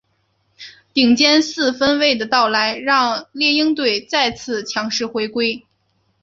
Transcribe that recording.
顶尖四分卫的到来让猎鹰队再次强势回归。